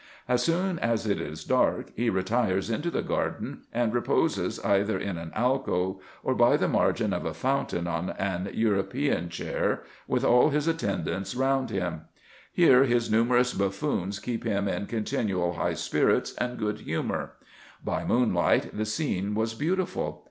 As soon as it is dark, he retires into the garden, and reposes either in an alcove, or by the margin of a fountain, on an 14 RESEARCHES AND OPERATIONS European chair, with all his attendants round him. Here his numerous buffoons keep him in continual high spirits and good humour. By moonlight the scene was beautiful.